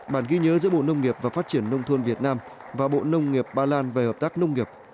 bản ghi nhớ giữa bộ nông nghiệp và phát triển nông thôn việt nam và bộ nông nghiệp ba lan về hợp tác nông nghiệp